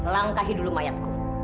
langkahi dulu mayatku